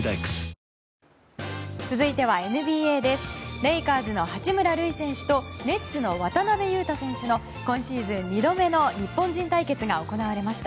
レイカーズの八村塁選手とネッツの渡邊雄太選手の今シーズン２度目の日本人対決が行われました。